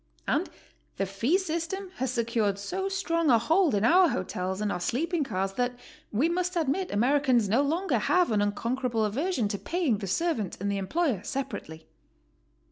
And the fee system has secured so strong a hold in our hotels and our sleeping cars that we must admit Americans no longer have an unconquerable aversion to paying the servant and the employer separately.